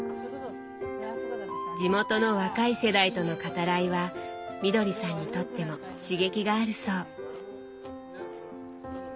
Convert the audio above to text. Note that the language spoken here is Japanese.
地元の若い世代との語らいはみどりさんにとっても刺激があるそう。